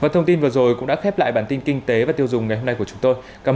thông tin vừa rồi cũng đã khép lại bản tin kinh tế và tiêu dùng ngày hôm nay của chúng tôi cảm